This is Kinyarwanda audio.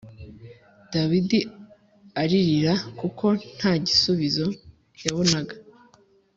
Dawidi aririra kuko nagisubizo yabonaga